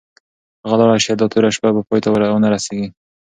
که هغه لاړه شي، دا توره شپه به پای ته ونه رسېږي.